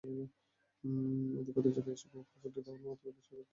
এদিকে ঐতিহ্যবাহী পুকুরটি দখলমুক্ত করতে সরকারকে তিন মাস সময় দিয়েছে বিভিন্ন সামাজিক সংগঠন।